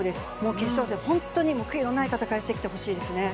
決勝戦、本当に悔いのない戦いをしてきてほしいですね。